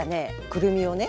くるみをね